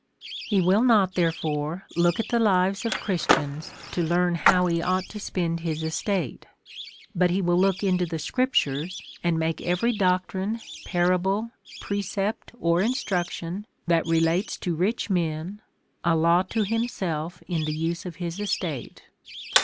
He will not, therefore, look at the lives of Chris tians to learn how he ought to spend his estate ; but he will look into the scriptures, and make every doc trine, parable, precept, or instruction, that relates to rich men, a law to himself in the use of his estate.